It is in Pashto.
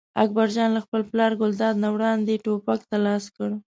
اکبر جان له خپل پلار ګلداد نه وړاندې ټوپک ته لاس کړ.